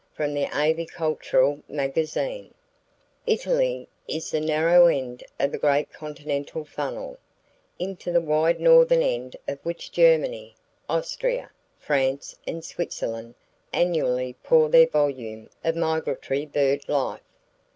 From the Avicultural Magazine [Page 96] Italy is the narrow end of a great continental funnel, into the wide northern end of which Germany, Austria, France and Switzerland annually pour their volume of migratory bird life.